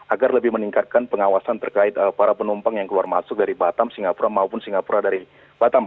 agar lebih meningkatkan pengawasan terkait para penumpang yang keluar masuk dari batam singapura maupun singapura dari batam